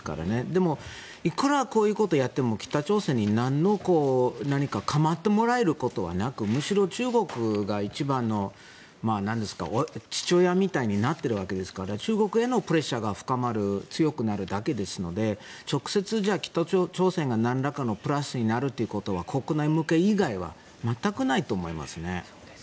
でも、いくらこういうことをやっても北朝鮮に何も構ってもらえることはなくむしろ中国が一番の父親みたいになっているわけですから中国へのプレッシャーが深まる強くなるだけですので直接、北朝鮮がなんらかのプラスになるということは国内向け以外は全くないと思いますね。